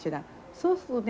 そうするとね